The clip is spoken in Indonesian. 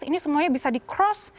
ini semuanya bisa di cross